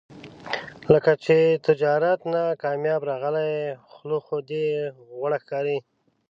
لکه چې تجارت نه کامیاب راغلی یې، خوله خو دې غوړه ښکاري.